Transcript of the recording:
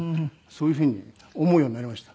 そういう風に思うようになりました。